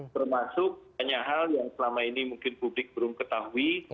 termasuk banyak hal yang selama ini mungkin publik belum ketahui